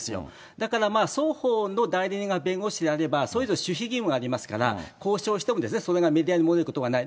だから双方の代理人が弁護士であれば、それぞれ守秘義務がありますから、交渉してもですね、それがメディアに漏れることはない。